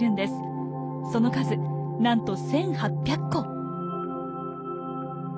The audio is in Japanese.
その数なんと１，８００個。